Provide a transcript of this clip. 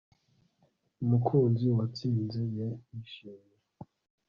umukunzi, uwatsinze yishimye